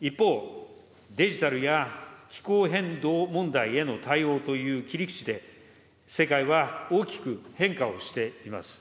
一方、デジタルや気候変動問題への対応という切り口で、世界は大きく変化をしています。